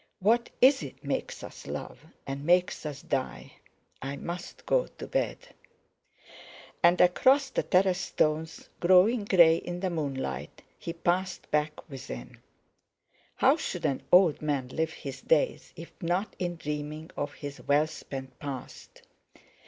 "What is it makes us love, and makes us die! I must go to bed." And across the terrace stones, growing grey in the moonlight, he passed back within. V How should an old man live his days if not in dreaming of his well spent past?